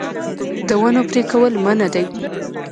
د ونو پرې کول منع دي